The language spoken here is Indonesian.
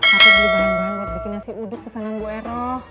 tapi beli bahan bahan buat bikin nasi udut pesanan bu ero